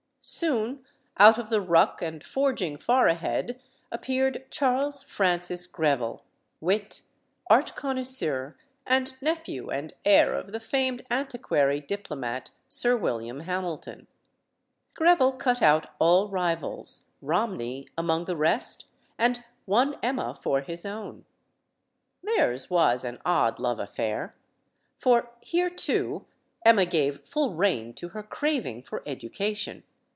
Soon, out of the ruck and forging far ahead, ap peared Charles Francis Greville, wit, art connoisseur, and nephew and heir of the famed antiquary diplomat, Sir William Hamilton. Greville cut out all rivals, Rom ney among the rest, and won Emma for his own. Theirs was an odd love affair. For here, too, Emma LADY HAMILTON 257 gave full rein to her craving for education.